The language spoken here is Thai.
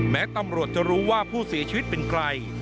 แม้ตำรวจจะรู้ว่าผู้เสียชีวิตเป็นใคร